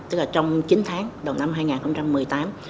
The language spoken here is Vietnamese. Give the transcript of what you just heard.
tức là trong chín tháng đầu năm hai nghìn một mươi tám